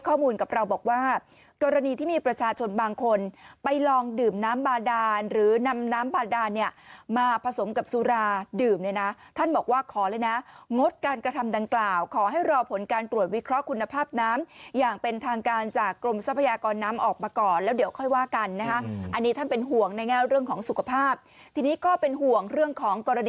ข้อมูลกับเราบอกว่ากรณีที่มีประชาชนบางคนไปลองดื่มน้ำบาดานหรือนำน้ำบาดานเนี่ยมาผสมกับสุราดื่มเนี่ยนะท่านบอกว่าขอเลยนะงดการกระทำดังกล่าวขอให้รอผลการตรวจวิเคราะห์คุณภาพน้ำอย่างเป็นทางการจากกรมทรัพยากรน้ำออกมาก่อนแล้วเดี๋ยวค่อยว่ากันนะฮะอันนี้ท่านเป็นห่วงในแง่เรื่องของสุขภาพทีนี้ก็เป็นห่วงเรื่องของกรณี